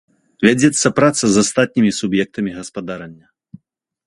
Вядзецца праца з астатнімі суб'ектамі гаспадарання.